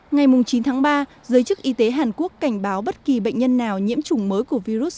ngày chín tháng ba giới chức y tế hàn quốc cảnh báo bất kỳ bệnh nhân nào nhiễm chủng mới của virus